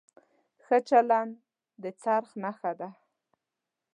ښه چلند د خرڅ نښه ده.